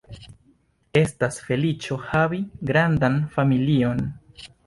Estas feliĉo havi grandan familion.